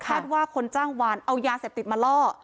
ว่าคนจ้างวานเอายาเสพติดมาล่อ